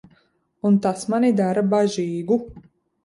Un tas mani dara bažīgu.